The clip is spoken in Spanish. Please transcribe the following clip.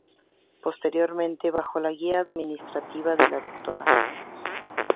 Posteriormente, bajo la guía administrativa de la Dra.